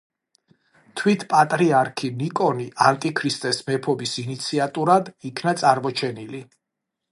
თვით პატრიარქი ნიკონი ანტიქრისტეს მეფობის ინიციატორად იქნა წარმოჩენილი.